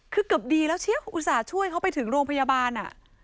คือเกือบดีแล้วเชียวอุตส่าห์ช่วยเขาไปถึงโรงพยาบาล